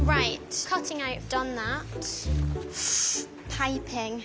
パイピング。